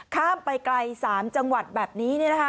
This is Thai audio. ข้ามไปไกล๓จังหวัดแบบนี้